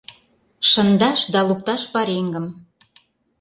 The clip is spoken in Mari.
Шындаш да лукташ пареҥгым.